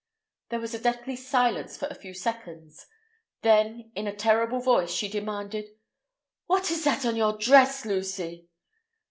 There was a deathly silence for a few seconds. Then, in a terrible voice, she demanded: "What is that on your dress, Lucy?"